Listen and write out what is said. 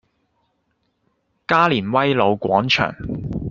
加連威老廣場